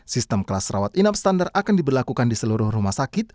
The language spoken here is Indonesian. sistem kelas rawat inap standar akan diberlakukan di seluruh rumah sakit